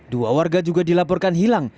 dua warga juga dilaporkan